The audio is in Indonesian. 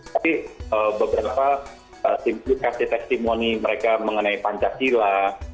tapi beberapa tim juga kasih testimoni mereka mengenai pancasila